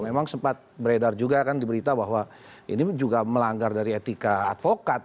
memang sempat beredar juga kan diberita bahwa ini juga melanggar dari etika advokat